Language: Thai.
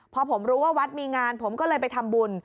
พอผมรู้ว่าวัดมีงานผมก็เลยไปทำบุญ